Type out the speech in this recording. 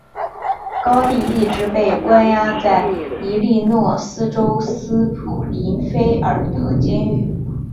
高蒂一直被关押在伊利诺斯州斯普林菲尔德监狱。